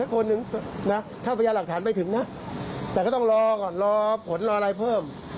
แล้วก็ไม่พบว่ามีการฟันหัดตามที่เป็นข่าวทางโซเชียลก็ไม่พบ